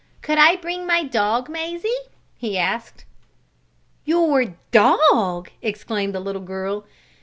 "Could I bring my dog, Mazie?" he asked. "Your dog!" exclaimed the little girl.